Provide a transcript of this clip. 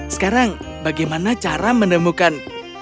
sekarang bagaimana cara menemukan